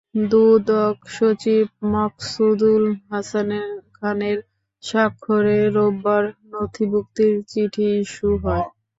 দুদক সচিব মাকসুদুল হাসান খানের স্বাক্ষরে রোববার নথিভুক্তির চিঠি ইস্যু হয়।